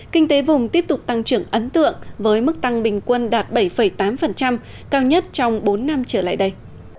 kinh tế vùng tiếp tục tăng trưởng ấn tượng với mức tăng bình quân đạt bảy tám cao nhất trong bốn năm trở lại đây